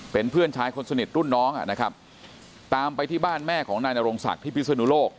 เป็นเพื่อนชายคนสนิทรุ่นน้องอ่ะนะครับตามไปที่บ้านแม่ของนายนโรงศักดิ์ที่พิศนุโลก